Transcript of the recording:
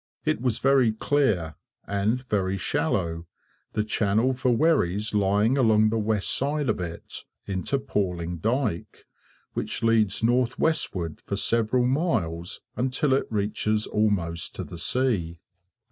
It was very clear, and very shallow, the channel for wherries lying along the west side of it, into Palling dyke, which leads north westward for several miles until it reaches almost to the sea.